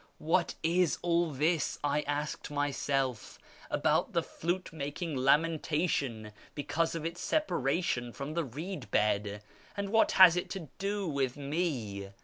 ' What is all this,' I asked myself, ' about the flute making lamentation because of its separation from the reed bed, — and what has it to do with me